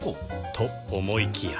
と思いきや